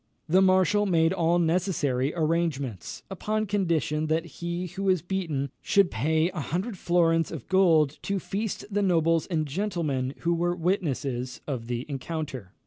The marshal made all necessary arrangements, upon condition that he who was beaten should pay a hundred florins of gold to feast the nobles and gentlemen who were witnesses of the encounter.